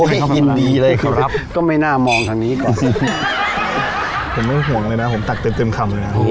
ผมยินดีเลยครับก็ไม่น่ามองทางนี้ก่อนสิผมไม่ห่วงเลยนะผมตักเต็มเต็มคำเลยนะ